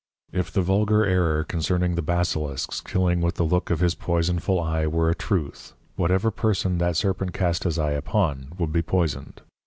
If the vulgar Error concerning the Basilisks killing with the Look of his Poysonful Eye were a Truth, whatever person that Serpent cast his Eye upon would be poysoned.